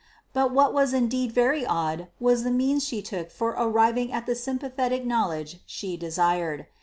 But what was indeed very odd was the means she took for arriving at the sympathetic knowledge she desired.